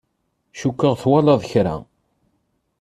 Cukkeɣ twalaḍ kra.